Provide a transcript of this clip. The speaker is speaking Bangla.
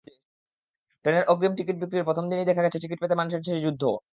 ট্রেনের অগ্রিম টিকিট বিক্রির প্রথম দিনেই দেখা গেছে টিকিট পেতে মানুষের সেই যুদ্ধ।